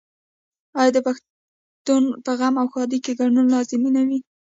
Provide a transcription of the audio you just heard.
آیا د پښتنو په غم او ښادۍ کې ګډون لازمي نه وي؟